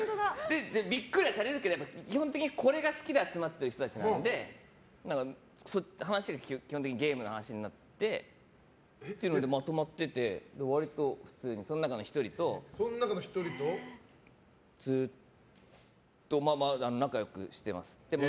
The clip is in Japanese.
ビックリはされるけど基本的にこれが好きで集まってる人たちなので話が基本的にゲームの話になってっていうのでまとまってて、割と普通にその中の１人と仲良くしてます。